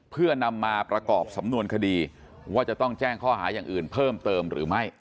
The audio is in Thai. เพื่อนำมาประกอบสำนวนคดีว่าจะต้องแจ้งข้อหาอย่างอื่นเพิ่มเติมหรือไม่